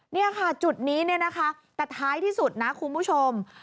นี่ค่ะจุดนี้เนี่ยนะคะแต่ท้ายที่สุดนะคุณผู้ชม